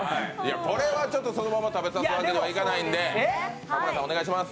これはそのまま食べさすわけにはいかないんで田村さん、お願いします。